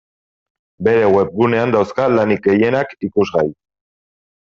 Bere webgunean dauzka lanik gehienak ikusgai.